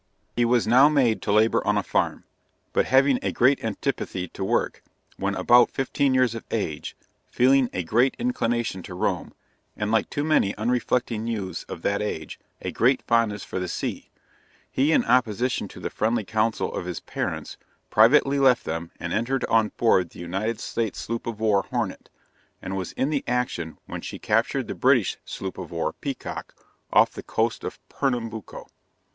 He was now made to labor on a farm; but having a great antipathy to work, when about fifteen years of age, feeling a great inclination to roam, and like too many unreflecting youths of that age, a great fondness for the sea, he in opposition to the friendly counsel of his parents, privately left them and entered on board the United States sloop of war, Hornet, and was in the action when she captured the British sloop of war Peacock, off the coast of Pernambuco.